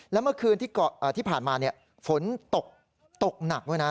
แล้วเมื่อคืนที่ผ่านมาฝนตกหนักด้วยนะ